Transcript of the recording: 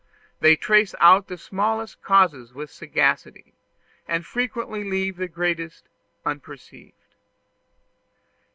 They trace out the smallest causes with sagacity, and frequently leave the greatest unperceived.